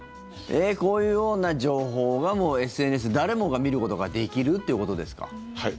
こういうような情報がもう、ＳＮＳ誰もが見ることができるということですか。